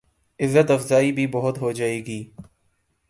عزت افزائی بھی بہت ہو جائے گی۔